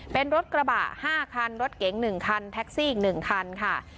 เป็นรถกระบะห้าคันรถเก๋งหนึ่งคันแท็กซี่อีกหนึ่งคันค่ะ